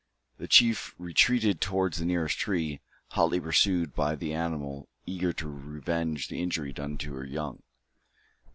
The chief retreated towards the nearest tree, hotly pursued by the animal eager to revenge the injury done to her young.